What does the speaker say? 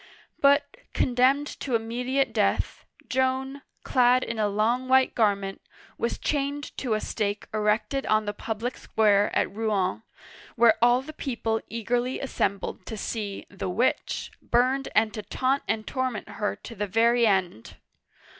" But, condemned to immediate death, Joan, clad in a long white garment, was chained to a stake erected on the public square of Rouen, where all the people eagerly assembled to see the witch" burned and to taunt and torment her to the very end.